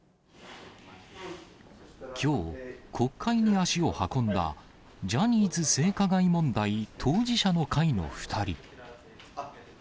きょう、国会に足を運んだ、ジャニーズ性加害問題当事者の会の２人。